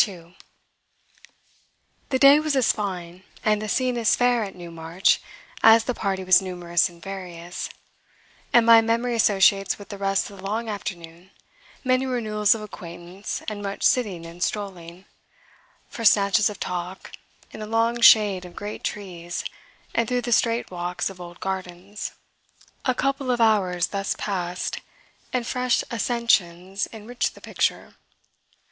II The day was as fine and the scene as fair at Newmarch as the party was numerous and various; and my memory associates with the rest of the long afternoon many renewals of acquaintance and much sitting and strolling, for snatches of talk, in the long shade of great trees and through the straight walks of old gardens. A couple of hours thus passed, and fresh accessions enriched the picture.